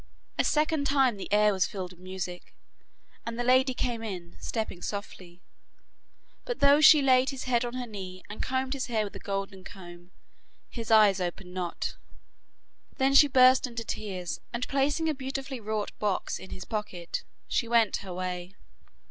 A second time the air was filled with music, and the lady came in, stepping softly, but though she laid his head on her knee, and combed his hair with a golden comb, his eyes opened not. Then she burst into tears, and placing a beautifully wrought box in his pocket she went her way.